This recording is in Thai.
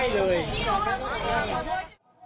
พี่เบนส์ขอโทษค่ะพูดให้เลย